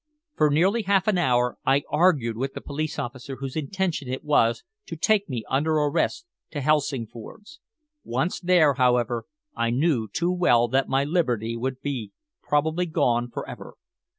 For nearly half an hour I argued with the police officer whose intention it was to take me under arrest to Helsingfors. Once there, however, I knew too well that my liberty would be probably gone for ever.